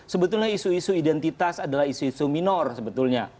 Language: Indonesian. sebetulnya isu isu identitas adalah isu isu minor sebetulnya